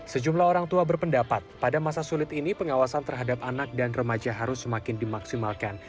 sejumlah orang tua berpendapat pada masa sulit ini pengawasan terhadap anak dan remaja harus semakin dimaksimalkan